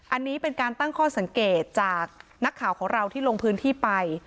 อันนี้เป็นการตั้งข้อสังเกตจากนักข่าวของเราที่ลงพื้นที่ไป